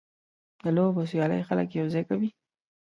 د لوبو سیالۍ خلک یوځای کوي.